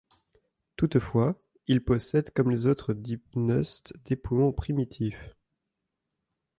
Toutefois, il possède comme les autres dipneustes des poumons primitifs.